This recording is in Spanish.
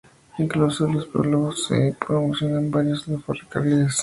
Incluso en los prólogos se promocionan varios de los ferrocarriles.